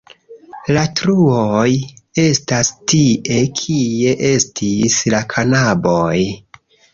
La truoj estas tie, kie estis la kanaboj.